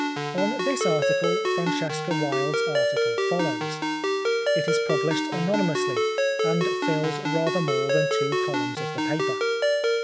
On this article Francesca Wilde's article follows. It is published anonymously, and fills rather more than two columns of the paper.